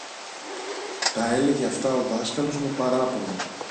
Τα έλεγε αυτά ο δάσκαλος με παράπονο